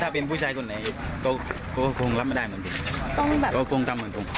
ถ้าเป็นผู้ชายคนไหนก็คงรับไม่ได้เหมือนกัน